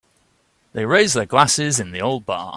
They raised their glasses in the old bar.